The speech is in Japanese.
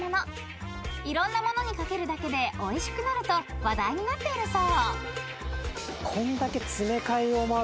［いろんなものにかけるだけでおいしくなると話題になっているそう］